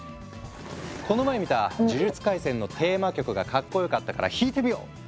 この前見た「呪術廻戦」のテーマ曲がかっこよかったから弾いてみよう！